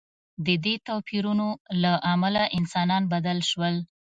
د دې توپیرونو له امله انسانان بدل شول.